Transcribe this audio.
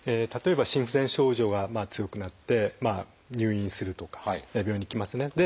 例えば心不全症状が強くなって入院するとか病院に行きますね。